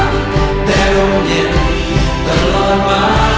ในร่มเย็นตลอดมา